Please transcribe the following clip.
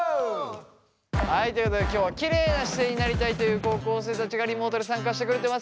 はいということで今日はきれいな姿勢になりたいという高校生たちがリモートで参加してくれてます。